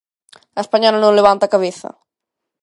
A española non levanta cabeza.